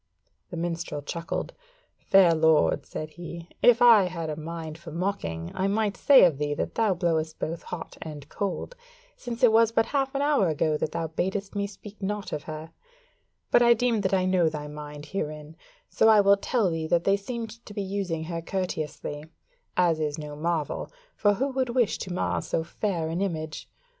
The minstrel chuckled: "Fair lord," said he, "if I had a mind for mocking I might say of thee that thou blowest both hot and cold, since it was but half an hour ago that thou badest me speak naught of her: but I deem that I know thy mind herein: so I will tell thee that they seemed to be using her courteously; as is no marvel; for who would wish to mar so fair an image?